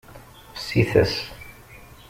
Fsit-as.